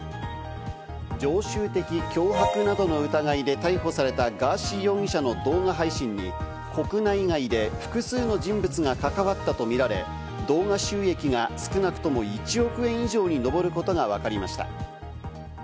常習的脅迫などの疑いで逮捕されたガーシー容疑者の動画配信に国内外で複数の人物が関わったとみられ、動画収益が少なくとも１億円以上にのぼることがわかりました。